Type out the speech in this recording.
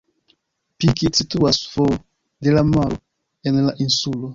Pikit situas for de la maro en la insulo.